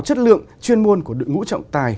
chất lượng chuyên môn của đội ngũ trồng tài